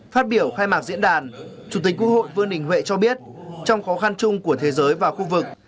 phát biểu khai mạc diễn đàn chủ tịch quốc hội vương đình huệ cho biết trong khó khăn chung của thế giới và khu vực